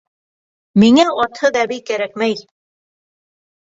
Миңә атһыҙ әбей кәрәкмәй!